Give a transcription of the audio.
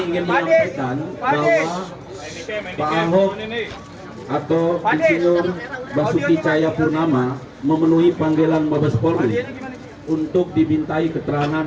jangan lupa like share dan subscribe ya